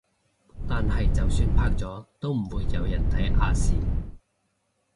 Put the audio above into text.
但係就算拍咗都唔會有人睇亞視